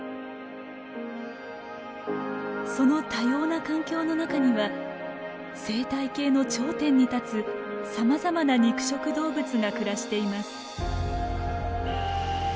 その多様な環境の中には生態系の頂点に立つさまざまな肉食動物が暮らしています。